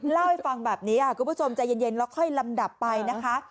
เล่าให้ฟังแบบนี้คุณผู้ชมใจเย็นแล้วค่อยลำดับไปนะคะ